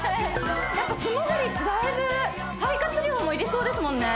やっぱ素もぐりってだいぶ肺活量もいりそうですもんね